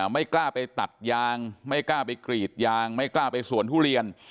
ไม่กล้าไปตัดยางไม่กล้าไปกรีดยางไม่กล้าไปสวนทุเรียน